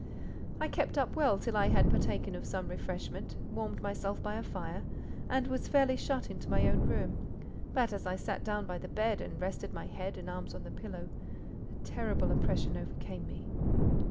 I kept up well till I had partaken of some refreshment, warmed myself by a fire, and was fairly shut into my own room; but, as I sat down by the bed and rested my head and arms on the pillow, a terrible oppression overcame me.